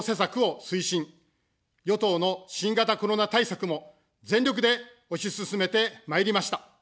与党の新型コロナ対策も、全力で推し進めてまいりました。